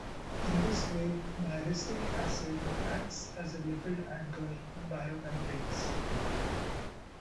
In this way, myristic acid acts as a lipid anchor in biomembranes.